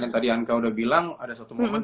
yang tadi anka udah bilang ada satu momen